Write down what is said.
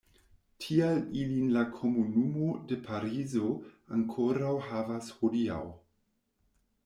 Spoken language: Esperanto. Tial ilin la komunumo de Parizo ankoraŭ havas hodiaŭ.